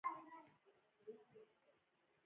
واوره د افغانانو د معیشت یوه مهمه سرچینه ده.